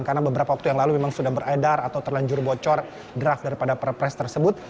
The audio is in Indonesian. karena beberapa waktu yang lalu memang sudah beredar atau terlanjur bocor draft daripada perpres tersebut